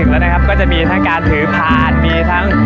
ความร่ำโรยของการโรงพยาบาล